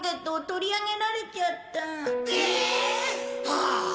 はあ